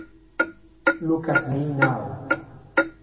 Look at Me Now